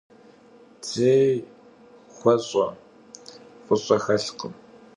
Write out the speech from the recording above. Dzêy xueş'e f'ış'e xelhkhım.